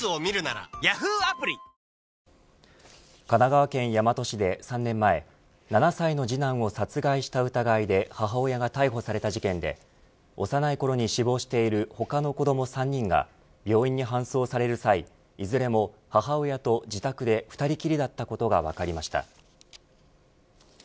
神奈川県大和市で３年前７歳の次男を殺害した疑いで母親が逮捕された事件で幼いころに死亡している他の子ども３人が病院に搬送される際、いずれも母親と自宅で２人きりだったことが分かりました。